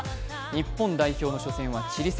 日本代表の初戦はチリ戦。